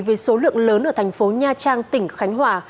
với số lượng lớn ở thành phố nha trang tỉnh khánh hòa